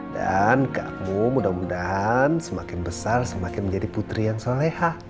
dan kamu mudah mudahan semakin besar semakin menjadi putri yang soleha